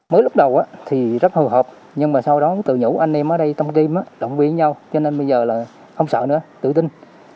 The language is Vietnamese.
mới lúc đầu thì rất hợp hợp nhưng mà sau đó tự nhủ anh em ở đây trong team động viên nhau cho nên bây giờ là không sợ nữa tự tin